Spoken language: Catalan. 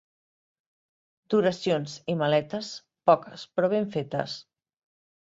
D'oracions i maletes, poques però ben fetes.